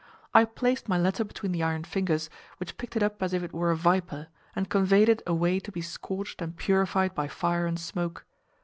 I placed my letter between the iron fingers, which picked it up as if it were a viper, and conveyed it away to be scorched and purified by fire and smoke.